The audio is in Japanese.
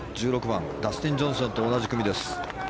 １６番ダスティン・ジョンソンと同じ組です。